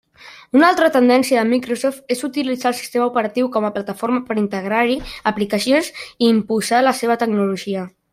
Una altra tendència de Microsoft és utilitzar el sistema operatiu com a plataforma per integrar-hi aplicacions i imposar la seva tecnologia.